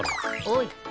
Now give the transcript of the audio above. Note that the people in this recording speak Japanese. おい。